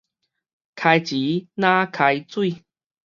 開錢若開水